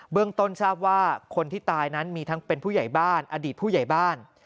เรื่องต้นทราบว่าคนที่ตายนั้นมีทั้งเป็นผู้ใหญ่บ้านอดีตผู้ใหญ่บ้าน